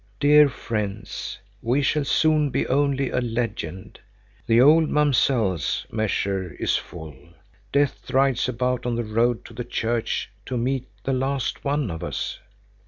"Dear friends, we shall soon be only a legend. The old Mamsells' measure is full. Death rides about on the road to the church to meet the last one of us.